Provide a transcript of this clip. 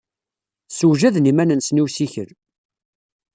Ssewjaden iman-nsen i usikel.